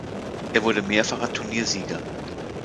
Er wurde mehrfacher Turniersieger.